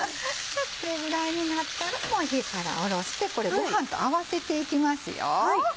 これぐらいになったら火からおろしてこれごはんと合わせていきますよ。